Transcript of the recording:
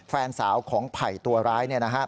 แฟนสาวของไผ่ตัวร้าย